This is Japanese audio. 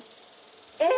え？